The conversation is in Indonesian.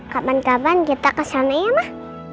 kapan kapan kita kesana ya mah